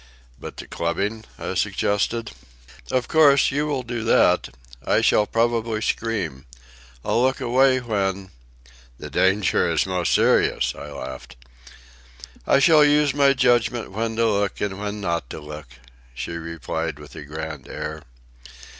"But the clubbing?" I suggested. "Of course, you will do that. I shall probably scream. I'll look away when—" "The danger is most serious," I laughed. "I shall use my judgment when to look and when not to look," she replied with a grand air.